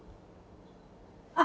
あ！